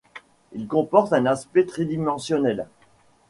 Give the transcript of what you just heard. Il comporte un aspect tridimensionnel.